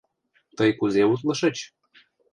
— Тый кузе утлышыч?